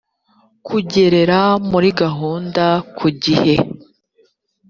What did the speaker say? kugerera muri gahunda ku gihe